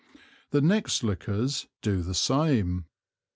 The next Liquors do the same.